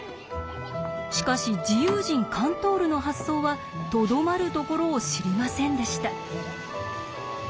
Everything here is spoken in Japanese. しかし自由人カントールの発想はとどまるところを知りませんでした。